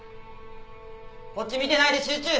こっち見てないで集中！